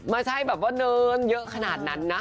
ไม่ใช่แบบว่าเนินเยอะขนาดนั้นนะ